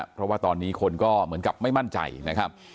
เพราะว่าตอนนี้คนก็เหมือนกับไม่มั่นใจนะครับ